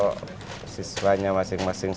kalau siswanya masing masing